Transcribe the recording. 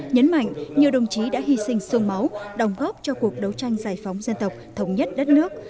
nhấn mạnh nhiều đồng chí đã hy sinh sương máu đồng góp cho cuộc đấu tranh giải phóng dân tộc thống nhất đất nước